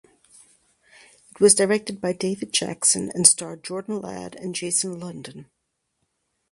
It was directed by David Jackson and starred Jordan Ladd and Jason London.